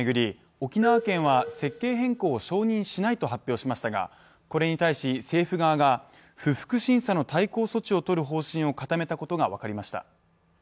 沖縄県は設計変更を承認しないと発表しましたがこれに対し政府側が不服審査の対抗措置をとる方針を固めたことが分かりました。